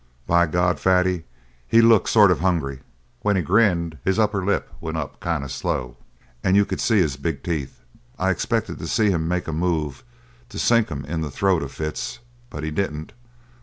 By God, Fatty, he looked sort of hungry. When he grinned, his upper lip went up kind of slow and you could see his big teeth. I expected to see him make a move to sink 'em in the throat of Fitz. But he didn't.